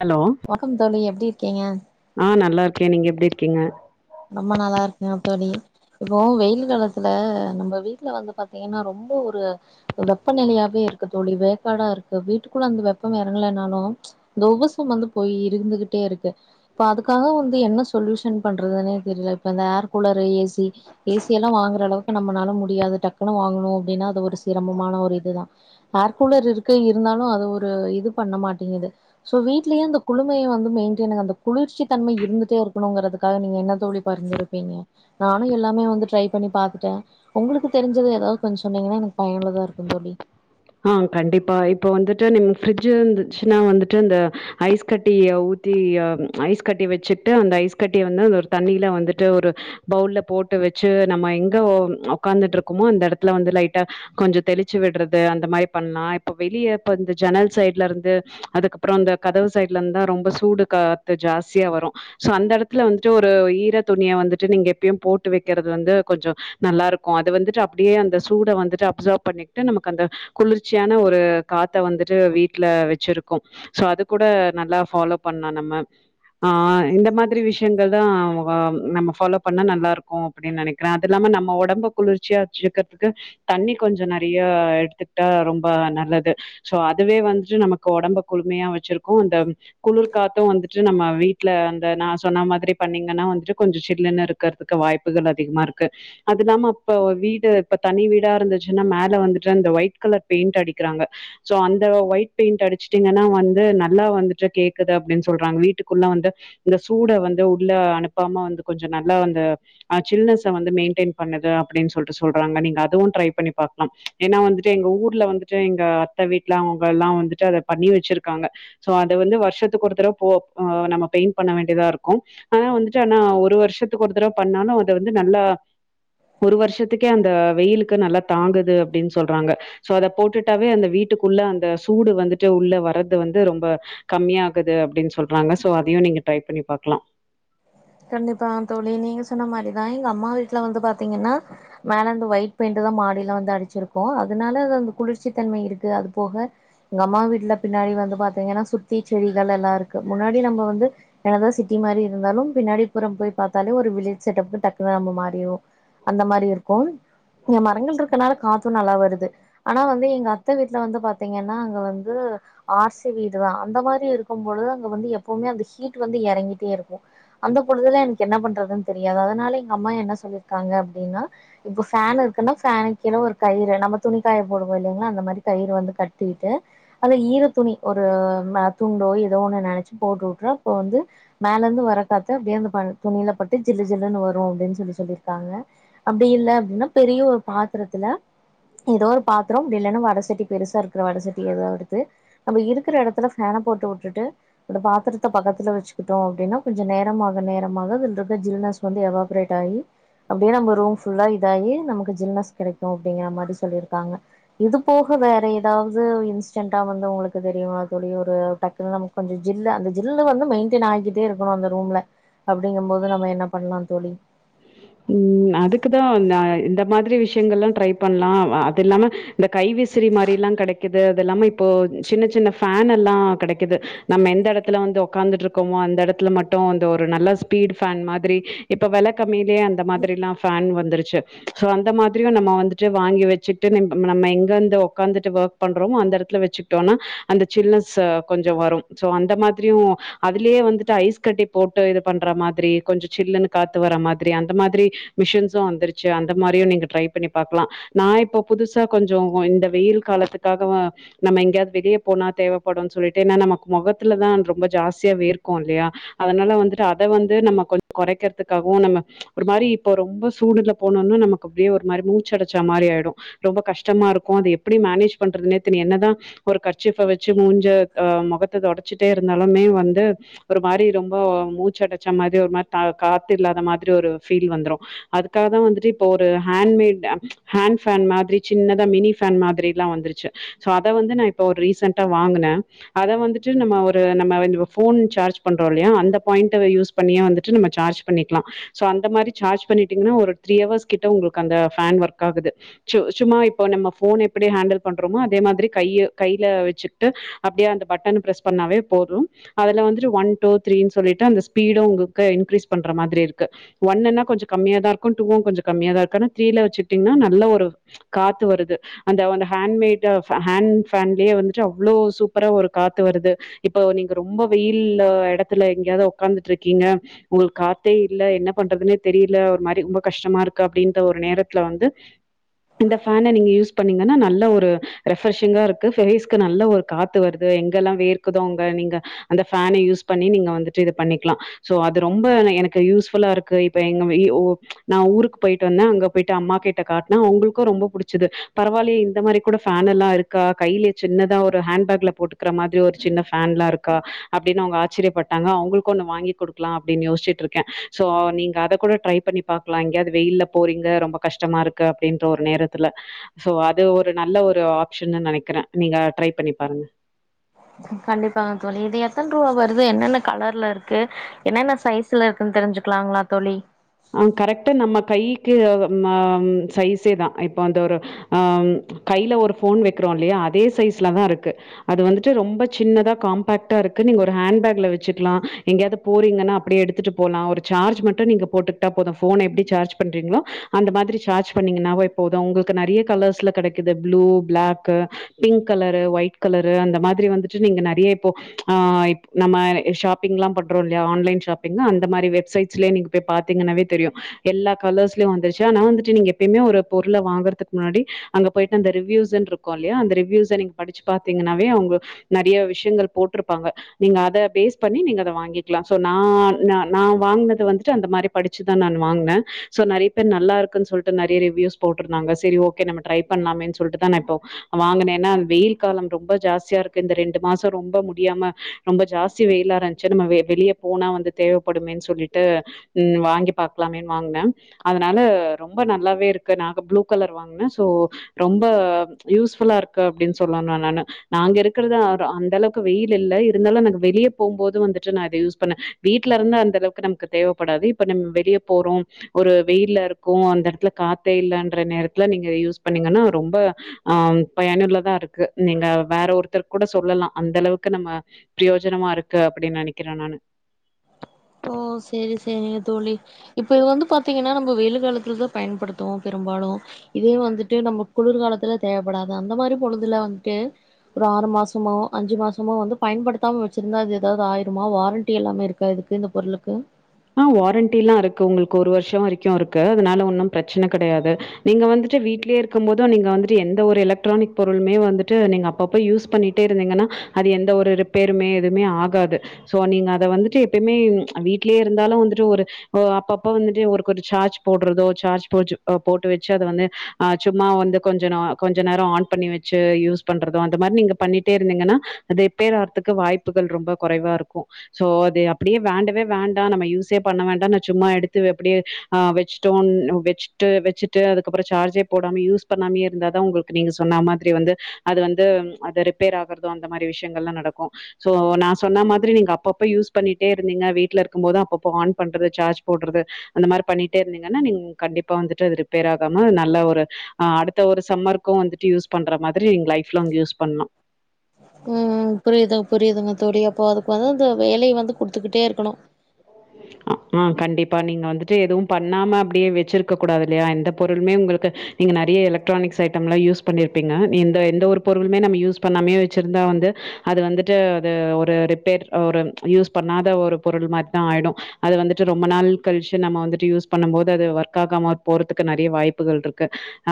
Hello வணக்கம் தோழி எப்டி இருக்கீங்க ஆ நல்லா இருக்கே நீங்க எப்டி இருக்கீங்க ரொம்ப நல்லா இருக்க தோழி இப்போ வெயில் காலத்துல நம்ம வீட்ல வந்து பாத்தீங்கன்னா ரொம்ப ஒரு வெப்பநெலையாவே இருக்கு தோழி வேக்காடா இருக்கு வீட்டுக்குள்ள அந்த வெப்பம் எறங்கலனாலு இந்த உபசம் வந்து போயிருந்துகிட்டே இருக்கு இப்ப அதுக்காக வந்து என்ன சொல்யூஷன் பண் றதுன்னே தெரில இப்ப இந்த ஏர்கூலரு ஏ சி ஏ சியெல்லா வாங்குற அளவுக்கு நம்பனலா முடியாது டக்குனு வாங்கணு அப்டின்னா அது ஒரு சிரமமான ஒரு இதுதா ஏர் கூலர் இருக்கு இருந்தாலு அது ஒரு இது பண்ண மாட்டங்குது சோ வீட்லயே அந்த குழுமைய வந்து மெயின்டென் அந்த குளுர்ச்சி தன்ம இருந்துட்டே இருக்கணுங்றது அதுக்காக நீங்க என்ன தோழி பரிந்துரைப்பீங்க நானு எல்லாமே வந்து ட்ரை பண்ணி பாத்துட்ட உங்ளுக்கு தெரிஞ்சது ஏதாவது கொஞ்ச சொன்னீங்கன்னா எனக்கு பயனுள்ளதா இருக்கு தோழி ஆ கண்டிப்பா இப்ப வந்துட்டு நிம் ஃபிரிஜ் இருந்துச்சுன்னா வந்துட்டு இந்த ஐஸ் கட்டிய ஊத்தி ஐஸ் கட்டி வச்சுட்டு அந்த ஐஸ் கட்டிய வந்து அந்த ஒரு தண்ணியில வந்துட்டு ஒரு பவுல்ல போட்டு வச்சு நம்ம எங்க உக்காந்துட்டுருக்கோமோ அந்த எடத்துல வந்து லைட்டா கொஞ்ச தெளிச்விடறது த அந்த மாரி பண்லா இப்ப வெளிய இப்ப இந்த ஜனல் சைட்ல இருந்து அதுக்கப்பறம் இந்த த கதவு சைட்ல இந்துதா ரொம்ப சூடு காத்து ஜாஸ்தியா வரு சோ அந்த எடத்துல வந்துட்டு ஒரு ஈர துணிய வந்துட்டு நீங்க எப்பியு போட்டு வெக்கறது வந்து கொஞ்ச நல்லாருக்கு அது வந்துட்டு அப்டியே அந்த சூட வந்துட்டு அப்சர்வ் பண்ணிட்டு நம்மக் அந்த குளிர்ச்சியான ஒரு காத்த வந்துட்டு வீட்டுல வச்சிருக்கு சோ அது கூட நல்லா ஃபாலோ பண்ணா நம்ம ஆ இந்த மாதிரி விஷயங்கள் தா அ நம்ம ஃபாலோ பண்ணா நல்லா இருக்கு அப்டின்னு நெனைக்கிறே அது இல்லாம நம்ம ஒடம்பு குளிர்ச்சியா வச்சிருக்கறதுக்கு தண்ணி கொஞ்ச நெறைய அ எடுத்துட்டா ரொம்ப நல்லது சோ அதுவே வந்துட்டு நமக்கு ஒடம்ப குழுமையா வச்சிருக்கு அந்த குளிர்காத்து வந்துட்டு நம்ம வீட்டுல அந்த நா சொன்ன மாதிரி பண்ணீங்கன்னா வந்துட்டு கொஞ்சம் சில்லனு இருக் கறதுக்கு வாய்ப்புகள் அதிகமா இருக்கு அதுல்லாம இப்ப வீடு இப்ப தனி வீடா இருந்துச்சுன்னா மேல வந்து றிந்த ஒயிட் கலர் பெயிண்ட் அடிக்கிறாங்க சோ அந்த ஒயிட் பெயின்ட் அடிச்சுட்டீங்கன்னா வந்து நல்லா வந்துட்டு கேக்குது அப்டின்னு சொல்றாங்க வீட்டுக்குள்ள வந்து இந்த சூட வந்து உள்ள அனுப்பாம வந்து கொஞ்ச நல்லா அந்த ஆ சில்னஸை வந்து மெயின்டெயின் பண்ணது அப்டின்னு சொல்ட்டு சொல்றாங்க நீங்க அதுவு ட்ரை பண்ணி பாக்கலா ஏன்னா வந்துட்டு எங்க ஊர்ல வந்துட்டு எங்க அத்தை வீட்டுல அவங்க எல்லா வந்துட்டு அத பண்ணி வச்சிருக்காங்க சோ அத வந்து வருஷத்துக்கு ஒருத்தடவை போ நம்ம பெயிண்ட் பண்ண வேண்டியதா இருக்கு ஆனா வந்துட்டு ஆனா ஒரு வருஷத்துக்கு ஒரு தடவை பண்ணாலு அதை வந்து நல்லா ஒரு வருஷத்துக்கே அந்த வெயிலுக்கு நல்லா தாங்குது அப்டின்னு சொல்றாங்க சோ அத போட்டுட்டாவே அந்த வீட்டுக்குள்ள அந்த சூடு வந்துட்டு உள்ள வர்றது வந்து ரொம்ப கம்மியாகுது அப்டின்னு சொல்றாங்க சோ அதையு நீங்க ட்ரை பண்ணி பாக்லா கண்டிப்பாம் தோழி நீங்க சொன்ன மாரிதா எங்க அம்மா வீட்ல வந்து பாத்தீங்கன்னா மேல அந்த ஒயிட் பெயிண்ட் தா மாடியிலா வந்து அடிச்சிருக்கோ அதனால அது அந்த குளிர்ச்சித்தன்மை இருக்கு அது போக எங்க அம்மா வீட்ல பின்னாடி வந்து பாத்தீங்கன்னா சுத்தி செடிகளெல்லா இருக்கு முன்னாடி நம்ம வந்து என்னதா சிட்டி மாரி இருந்தாலு பின்னாடிப்புறம் போய் பாத்தாலே ஒரு வில்லேஜ் செட்டப் டக்குன்னு நம்ம மாறிருவோ அந்த மாரி இருக்கும் இங்க மரங்கள் இருக்கனால காத்து நல்லா வருது ஆனா வந்து எங்க அத்த வீட்ல வந்து பாத்தீங்கன்னா அங்க வந்து ஆர்சி வீடுதா அந்த மாரி இருக்கும்பொழுது அங்க வந்து எப்பவுமே அந்த ஹீட்டு வந்து எறங்கிட் டேருக்கு அந்த பொழுதுல எனக்கு என்ன பண்றதுன் தெரியாது அதனால எங்க அம்மா என்ன சொல்லியிருக்காங்க அப்டின்னா இப்ப ஃபேனுருக்குன்னா ஃபேனு கீழ ஒரு கயுரு நம்ம துணிக்காய போடுவோல்லைங்களா அந்த மாரி கயிற வந்து கட்டிட்டு அதுல ஈர துணி ம ஒரு துண்டோ ஏதோன்னு நெனைச்சு போட்டு உட்றா இப்போ வந்து மேலேருந்து வர பத்து அப்படியே அந்த துணியில பட்டு அப்டியே அந்த பண் துணியில் பட்டு ஜில்லு ஜில்லன்னு வரு அப்டின்னு சொல்லி சொல்லியிருக்காங்க அப்டி இல்ல அப்டின்னா பெரிய ஒரு பாத்துரத்துல ஏதோ ஒரு பாத்ரோம் இப்டி இல்லன்னா வடசட்டி பெருசாருக்குற வடசட்டி ஏதோ எடுத்து நம்ம இருக்குற எடத்துல ஃபேன போட்டு உட்டுட்டு அந்த பாத்தரத்த பக்கத்துல வச்சுக்கிட்டோ அப்டின்னா கொஞ்சோ நேரமாக நேரமாக அந்தருக்க ஜில்னஸ் வந்து எவாபரேட் ஆகி அப்படியே நம்ம ரூம் ஃபுல்லா இதாயி நமக்கு ஜில்னஸ் கெடைக்கு அப்படிங்கிற மாரி சொல்லியிருக்காங்க இது போக வேற ஏதாவது இன்ஸ்டன்டா வந்து உங்களுக்கு தெரியுமா தோழி ஒரு டக்குன் நமக்கு அந்த ஜில்லா அந்த ஜில் வந்து மெயிண்ட்டைன் ஆயிக்கிட்டேருக் இருக்கணு அந்த ரூம்ல அப்படிங்கும் போது நம்ம என்ன பண்ணலா தோழி ம் அதுக்குதா நா இந்த மாதிரி விஷ்யங்கள்லு ட்ரை பண்லா அ அதுல்லாம இந்த கைவிசிறி மாரில்லா கடைக்கிது அதெல்லாம இப்போ சின்ன சின்ன ஃபேனல்லா கடைக்கிது நம்ம எந்த எடத்துல வந்து உக்காந்துட்டுருக்கமோ அந்த எடத்துல மட்டு அந்த ஒரு நல்ல ஸ்பீடு ஃபேன் மாதிரி இப்ப வெளக் கம்மி மி அந்த மாதிரிலா ஃபேன் வந்துருச்சு சோ அந்த மாதிரியு நம்ம வந்துட்டு வாங்கி வச்சுட்டு மேம்ப நம்ம எங்கந்து உக்காந்துட்டு ஒர்க் பண்றோம் அந்த எடத்துல வச்சுக்கிட்டோன்னா அந்த சில்னஸ்ச கொஞ்சோ வரும் சோ அந்த மாதிரியு அதுலயே வந்துட்டு ஐஸ் கட்டி போட்டு இது பண்ற மாதிரி கொஞ்சோ சில்லுன்னு காத்து வர மாத் திரி அந்த மாதிரி மிஷின்ஸு வந்துருச்சு அந்த மாரியு நீங்க ட்ரை பண்ணி பாக்கலா நா இப்போ புதுசா கொஞ்சோ இந்த வெயில் காலத்துக்காக நம்ம எங்கேயாது வெளிய போனா தேவப்படுன் சொல்லிட்டு ஏனா நமக்கு மொகத்துலதா ரொம்ப ஜாஸ்தியா வேர்க்கு இல்லையா அதனால வந்துட்டு அத வந்து நம்ம கொஞ் [inaudible] கெறைக்கிறதுக்காகவு நம்ம ஒரு மாரி இப்ப ரொம்ப சூடுல போனோன்ன நமக்கு அப்டியே ஒரு மாரி மூச்சடைச்சா மாரி ஆயிடு ரொம்ப கஷ்டமாருக்கு அது எப்டி மேனேஜ் பண்றதுனே தெர் என்னதா ஒரு கர்ச்சிப்ப வச்சு மூஞ்ச அ மொகத்த துடைச்சிட்டே இருந்தாலுமே வந்து ஒரு மாரி ரொம்ப மூச்சடச்ச மாரி ஒரு மாரி த காத்து இல்லாத மாதிரி ஒரு ஃபீல் வந்துரு அதுக்காக தா வந்துட்டு இப்போ ஒரு ஹேண்ட் மேட் ஆ ஹேண்ட் ஃபேன் மாதிரி சின்னதா மினி ஃபேன் மாதிரில்லா வந்துருச்சு சோ அத வந்து நா இப்போ ஒரு ரீசன்டா வாங்குனே அத வந்துட்டு நம்ம ஒரு நம்ம இந்த ஃபோன் சார்ஜ் பண்றோல்லையா அந்த பாயிண்ட்ட வெ யூஸ் பண்ணியு வந்துட்டு நம்ம சார்ஜ் பண்ணிக்லா சோ அந்த மாரி சார்ஜ் பண்ணிட்டீங்கன்னா ஒரு த்ரீ ஹவர்ஸ் கிட்ட உங்களுக்கு அந்த ஃபேன் ஒர்க்காகுது சு சும்மா இப்போ நம்ம ஃபோன் எப்டி ஹேண்டில் பண்றோமோ அதே மாதிரி கையோ கையில வெச்சுட்டு அப்டியே அந்த பட்டன்ன பிரஸ் பண்ணாவே போது அதுல வந்துட்டு ஒன் டூ த்ரீனு சொல்லிட்டு அந்த ஸ்பீடு உங்களுக்கு இன்கிரீஸ் பண்ற மாதிரி இருக் கு ஒன்னுனா கொஞ்ச கம்மியாதா இருக்கு டூவு கொஞ்ச கம்மியா தா இருக்கனு த்ரீல வச்சுட்டீங்கன்னா நல்லா ஒரு காத்து வருது அந்த அந்த ஹேண்ட்மேட்டு ஹேண்ட் ஃபேன்லயே வந்துட்டு அவ்ளோ சூப்பரா ஒரு காத்து வருது இப்போ நீங்க ரொம்ப வெயில்ல எடத்துல எங்கயாது ஒக்காந்துட்டு இருக்கீங்க ஒங்களுக்கு காத்தே இல்ல என்ன பண்றதுனே தெரியல ஒரு மாரி ரொம்ப கஷ்டமா இருக்கு அப்டின்ற ஒரு நேரத்துல வந்து இந்த ஃபேன நீங்க யூஸ் பண்ணீங்கன்னா நல்ல ஒரு ரெஃப்ரெஷிங்கா இருக்கு ஃபேஸ்க்கு நல்ல ஒரு காத்து வருது எங்கெல்லா வேர்க்குதோ அங்க நீங்க அந்த ஃபேனை யூஸ் பண்ணி நீங்க வந்துட்டு இது பண்ணிக்கலா சோ அது ரொம்ப எனக்கு யூஸ் ஃபுல்லா இருக்கு இப்ப எங்க இ ஓ நா ஊருக்கு போயிட்டு வந்தே அங்க போயிட்டு அம்மா கிட்ட காட்டுனே அவுங்களுக்கு ரொம்ப புடிச்சுது பரவால்லயே இந்த மாரி கூட ஃபேன் எல்லா இருக்கா கையிலயே சின்னதா ஒரு ஹேண்ட் பேக்ல போட்டுக்கிற மாதிரி ஒரு சின்ன ஃபேன்லா இருக்கா அப்டினு அவுங்க ஆச்சிரியப்பட்டாங்க அவுங்களுக்கு ஒன்னு வாங்கி குடுக்கலா அப்டினு யோசிச்சிட்டு இருக் க சோ நீங்க அத கூட ட்ரை பண்ணி பாக்கலா எங்கயாது வெயில்ல போறீங்க ரொம்ப கஷ்டமா இருக் க அப்டின்ற ஒரு நேரத்துல சோ அது ஒரு நல்ல ஒரு ஆப்ஷன்னு நெனைக்கிறே நீங்க ட்ரை பண்ணி பாருங்க கண்டிப்பாங்க தோழி இது எத்தன் ரூவா வருது என்னென்ன கலர்ல இருக்கு என்னென்ன சைஸ் சிலருக்குனு தெரிஞ்சுக்கலாங்களா தோழி ஆ கரெக்ட்டு நம்ம கைக்கு அது ம ஆ சைஸே தா இப்ப அந்த ஒரு ஆம் கையில ஒரு ஃபோன் வைக்கிறோ இல்லையா அதே சைஸ்ல தா இருக்கு அது வந்துட்டு ரொம்ப சின்னதா காம்பாக்ட்டா இருக்கு நீங்க ஒரு ஹேண்ட் பேக்ல வச்சுக்கலா எங்கயாது போறீங்கன்னா அப்டியே எடுத்துட்டு போலா ஒரு சார்ஜ் மட்டு நீங்க போட்டுட் விட்டா போது ஃபோன எப்டி சார்ஜ் பண்றீங்களோ அந்த மாதிரி சார்ஜ் பண்ணீங்கனாவே போது உங்களுக்கு நெறைய கலர்ஸ்ல கெடை குது blue black pink colour white colour அந்த மாதிரி வந்துட்டு நீங்க நெறையா இப்போ ஆ இப் நம்ம ஷாப்பிங்ல்லா பண்றோ இல்லையா ஆன்லைன் ஷாப்பிங் அந்த மாதிரி வெப்சைட்ஸ்லயே நீங்க போய் பாத் திங்கன்னாவே தெரியு எல்லா கலர்ஸ்லயு வந்துருச்சு ஆனா வந்துட்டு நீங்க எப்பயுமே ஒரு பொருளை வாங்கறதுக்கு முன்னாடி அங்க போயிட்டு அந்த ரிவ்யூஸ்னு இருக்கு இல்லையா அந்த ரிவ்யூஸை நீங்க படிச்சு பாத்தீங்கன்னாவே அவுங்க நெறையா விஷ்யங்கள் போட்டிருப்பாங்க நீங்க அத பேஸ் பண்ணி நீங்க அத வாங்கிக்கலா சோ நா நா வாங்குனது வந்துட்டு அந்த மாரிப் படிச்சுதா நானு வாங்குனே சோ நெறையா பேர் நல்லா இருக்குனு சொல்ட்டு நெறையா ரிவ்யூஸ் போட்ருந்தாங்க சேரி ஓகே நம்ம ட்ரை பண்லாமேனு சொல்லிட்டு தா நா இப்போ வாங்கனேனா வெயில் காலம் ரொம்ப ஜாஸ்தியா இருக்கு இந்த ரெண்டு மாசோ ரொம்ப முடியாம ரொம்ப ஜாஸ்தி வெயிலா தா இருந்துச்சு நம்ம வெளிய போனா வந்து தேவப்படுமேனு சொல்லிட்டு ம் வாங்கி பாக்கலாமேனு வாங்குனே அதனால ரொம்ப நல்லாவே இருக்கு நாங்க ப்ளூ கலர் வாங் என்ன சோ ரொம்ப யூஸ் ஃபுல்லா இருக்கு அப்டினு சொல்லலா நானு நாங்க இருக்கறது அந்த அளவுக்கு வெயில் இல்ல இருந்தாலு எனக்கு வெளியே போகும் போது வந்துட்டு நா இத யூஸ் பண்ணே வீட்ல இருந்தா அந்த அளவுக்கு நமக்கு தேவைப்படாது இப்ப நம்ம வெளியே போறோம் ஒரு வெயில்ல இருக்கு அந்த இடத்துல காத்தே இலன்ற நேரத்துல நீங்க யூஸ் பண்ணீங்கன்னா ரொம்ப ஆம் பயனுலதா இருக்கு நீங்க வேற ஒருத்தரு கூட சொல்லலா அந்த அளவுக்கு நம்ம பிரயோஜனமா இருக்கு அப்டின்னு நினைக்கிறே நானு ஓ சேரி சேரிங்க தோழி இப்ப இது வந்து பாத்தீங்கன்னா நம்ம வெயில் காலத்துலதா பயன்படுத்துவோ பெரும்பாலு இதே வந்துட்டு நம்ம குளிர்காலத்துல தேவைப்படாது அந்த மாதிரி பொழுதுல வந்துட்டு ஒரு ஆறு மாசமோ அஞ்சு மாசமோ வந்து பயன்படுத்தாம வச்சிருந்தா அது எதாவது ஆயிருமா வாரண்டி எல்லாமே இருக்கா இதுக் எந்த பொருளுக்கு ஆ வாரண்டி எல்லா இருக்கு உங்களுக்கு ஒரு வருஷம் வரைக்கு இருக்கு அதனால ஒன்னும் பிரச்சனை கிடையாது நீங்க வந்துட்டு வீட்லே இருக்கும்போது நீங்க வந்துட்டு எந்த ஒரு எலக்ட்ரானிக் பொருளுமே வந்துட்டு நீங்க அப்பப்ப யூஸ் பண்ணிட்டே இருந்தீங்கன்னா அது எந்த ஒரு ரிப்பேருமே எதுமே ஆகாது சோ நீங்க அத வந்துட்டு எப்பமே வீட்லே இருந்தாலு வந்துட்டு ஒரு ஓ அப்பப்ப வந்துட்டு ஒருக் ஒரு சார்ஜ் போட்றதோ சார்ஜ் போச்சி அ போட்டு வச்சு அது வந்து ஆ சும்மா வந்து கொஞ்ச நா கொஞ்சோ நேரோ ஆன் பண்ணி வச்சு யூஸ் பண்றது அந்த மாரி நீங்க பண்ணிட்டே இருந்தீங்கன்னா ரிப்பேர் ஆறத்துக்கு வாய்ப்புகள் ரொம்ப குறைவா இருக்கு சோ அது அப்டியே வேண்டவே வேண் டா நம்ம யூஸ்சே பண்ண வேண்டா நா சும்மா எடுத்து அப்டியே ஆ வச்சுட்டோன் வச் ட்டு வச்சிட்டு அதுக்கப்றோ சார்ஜே போடாம யூஸ் பண்ணாமே இருந்தா தா உங்குளுக்கு நீங்க சொன்னா மாதிரி வந்து அது வந்து அது ரிப்பேர் ஆகுறதோ அந்த மாரி விஷயங்கள்லா நடக்கு சோ நா சொன்ன மாதிரி நீங்க அப்பப்ப யூஸ் பண்ணிட்டே இருந்தீங்க வீட்லருக் க்கும்போது அப்பப்ப ஆன் பண்றது சார்ஜ் போட்றது அந்த மாரி பண்ணிட்டே இருந்தீங்கன்னா நீங்க கண்டிப்பா வந்துட்டு அது ரிப்பேர் ஆகாம நல்ல ஒரு ஆ அடுத்த ஒரு சம்மருக்கு வந்துட்டு யூஸ் பண்ற மாதிரி நீங்க ஃலைப் லாங் யூஸ் பண்ணு ம் ம் புரியுதுங்க புரியுதுங்க தோழி அப்போ அதுக்கு வந்து அந்த வேலை வந்து குடுத்துகிட்டே இருக்குணு [inaudible] அ ஆ கண்டிப்பா நீங்க வந்துட்டு எதுவு பண்ணாம அப்டியே வச்சிருக்க கூடாது இல்லையா எந்த பொருளுமே உங்குளுக்கு நீங்க நறைய எலக்ட்ரானிக்ஸ் ஐட்டம்லா யூஸ் பண்ணிருப்பீங்க நீ எந்த எந்த ஒரு பொருளுமே நம்ம யூஸ் பண்ணாமயே வச்சுருந்தா வந்து அது வந்துட்டு அது ஒரு ரிப்பேர் ஒரு யூஸ் பண்ணாத ஒரு பொருள் மாரி தா ஆயிடு அது வந்துட்டு ரொம்ப நாள் கழிச்சு நம்ம வந்துட்டு யூஸ் பண்ணும்போது அது ஒர்க் ஆகாம போறத்துக்கு நறைய வாய்ப்புகள்ருக்கு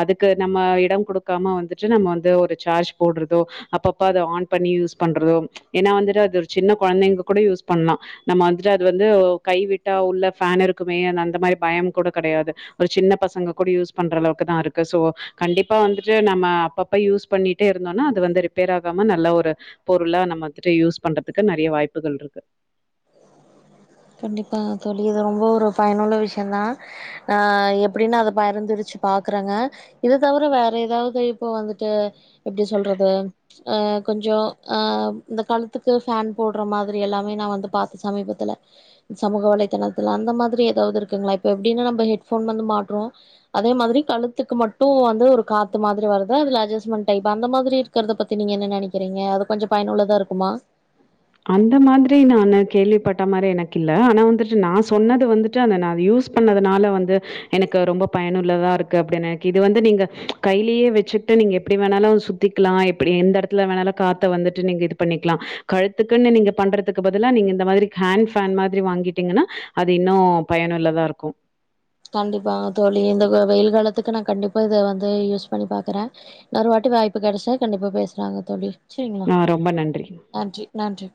அதுக்கு நம்ம இடம் குடுக்காம வந்துட்டு நம்ம வந்து ஒரு சார்ஜ் போட்றதோ அப்பப்ப அத ஆன் பண்ணி யூஸ் பண்றதோ ஏனா வந்துட்டு அது ஒரு சின்ன கொழந்தைங்க கூட யூஸ் பண்லா நம்ம வந்து து அது வந்து கைவிட்டா உள்ள ஃபேன் இருக்குமே அந் அந்த மாரி பயம் கூட கெடையாது ஒரு சின்ன பசங்க கூட யூஸ் பண்ற அளவுக்கு தா இருக்கு சோ கண்டிப்பா வந்துட்டு நம்ம அப்பப்ப யூஸ் பண்ணிட்டே இருந்தோன்னா அது வந்து ரிப்பேர் ஆகாம நல்லா ஒரு பொருளா நம்ம வந்துட்டு யூஸ் பண்றத்துக்கு நறைய வாய்ப்புகள்ருக்கு கண்டிப்பா தோழி இது ரொம்ப ஒரு பயனுள்ள விஷ்யந்தா ஆ எப்டின்னு அத பயர்ந்துருச்சு பாக்குறங்க இத தவர வேற எதாது இப்போ வந்துட்டு எப்டி சொல்றது அ கொஞ்சோ ஆ இந்த கழுத்துக்கு ஃபேன் போட்ற மாதிரி எல்லாமே நா வந்து பாத்தே சமீபத்துல்ல சமூக வலைத்தளத்துல அந்த மாதிரி எதாவது இருக்குங்களா இப்ப எப்டின்னா நம்ம ஹெட் ஃபோன் வந்து வந்து மாட்றோ அதே மாதிரி கழுத்துக்கு மட்டு வந்து ஒரு காத்து மாதிரி வருது அதுல அட்ஜஸ்ட்மெண்ட் டைப் அந்த மாதிரி க்கறத பத்தி நீங்க என்ன நெனைக்கிறீங்க அது கொஞ்ச பயனுள்ளதா இருக்குமா அந்த மாதிரி நானு கேள்விப்பட்ட மாரி எனக்கு இல்ல ஆனா வந்துட்டு நா சொன்னது வந்து ட்டு அத நா அத யூஸ் பண்ணதுனால வந்து எனக்கு ரொம்ப பயனுள்ளதா இருக்கு அப்டின் எக்கு இது வந்து நீங்க கையிலேயே வச்சுட்டு நீங்க எப்டி வேணாலு சு த்திக்லா எப்டி எந்த எடத்துல வேணாலு காத்த வந்துட்டு நீங்க இது பண்ணிக்லா கழுத்துக்குன்னு நீங்க பண்றதுக்கு பதிலா நீங்க இந்த மாதிரி ஹேண்ட் ஃபேன் மாதிரி வாங்கிட்டீங்கன்னா அது இன்னு பயனுள்ளதா இருக்கு கண்டிப்பாங்க தோழி இந்த வ வெயில் காலத்துக்கு நா கண்டிப்பாக இத வந்து யூஸ் பண்ணி பாக்குறே இன்னொரு வாட்டி வாய்ப்பு கெடச்சா கண்டிப்பா பேசுலாங்க தோழி சரிங்களா ஆ ரொம்ப நன்றி. நன்றி நன்றி